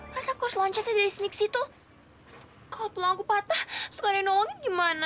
masa kurse loncatnya disini ke situ kau tolong aku patah suka nolong gimana